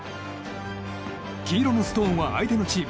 黄色のストーンは相手のチーム。